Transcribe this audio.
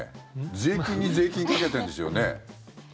税金に税金をかけてるんですよね。